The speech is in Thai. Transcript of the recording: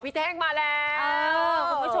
วิเทคมาแล้ว